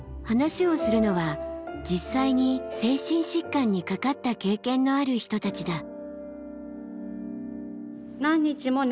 話をするのは実際に精神疾患にかかった経験のある人たちだ。